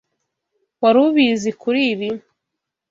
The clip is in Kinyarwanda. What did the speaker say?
Wari ubizi kuri ibi?